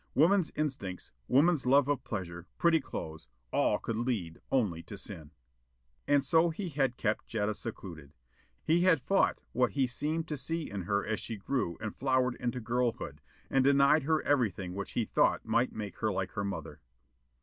Woman's instincts; woman's love of pleasure, pretty clothes all could lead only to sin. And so he had kept Jetta secluded. He had fought what he seemed to see in her as she grew and flowered into girlhood, and denied her everything which he thought might make her like her mother.